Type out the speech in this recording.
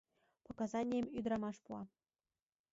Показанийым ӱдрамаш пуа.